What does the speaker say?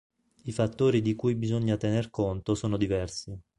I fattori di cui bisogna tener conto sono diversi.